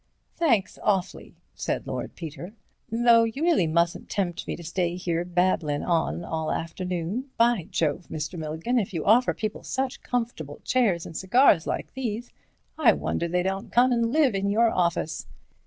"Thanks, awfully," said Lord Peter, "though you really mustn't tempt me to stay here barblin' all afternoon. By Jove, Mr. Milligan, if you offer people such comfortable chairs and cigars like these, I wonder they don't come an' live in your office."